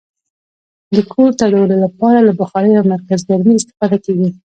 د کور تودولو لپاره له بخارۍ او مرکزګرمي استفاده کیږي.